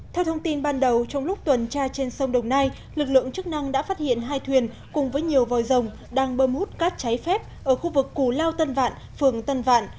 theo thông tin ban đầu trong lúc tuần tra trên sông đồng nai lực lượng chức năng đã phát hiện hai thuyền cùng với nhiều vòi rồng đang bơm hút cát trái phép ở khu vực cù lao tân vạn phường tân vạn